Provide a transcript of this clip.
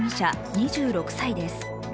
２６歳です。